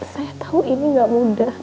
saya tahu ini gak mudah